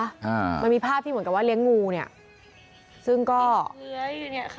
อ่ามันมีภาพที่เหมือนกับว่าเลี้ยงงูเนี้ยซึ่งก็เลื้อยเนี้ยค่ะ